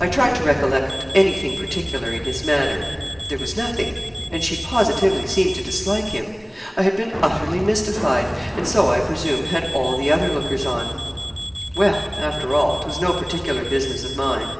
I tried to recollect anything particular in his manner there was nothing; and she positively seemed to dislike him. I had been utterly mystified, and so, I presume, had all the other lookers on. Well! after all, 'twas no particular business of mine.